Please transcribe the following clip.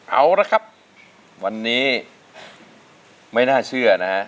เอาละครับวันนี้ไม่น่าเชื่อนะฮะ